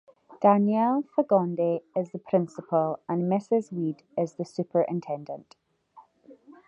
Danielle Fagonde is the principal and Mrs. Weed is the superintendent.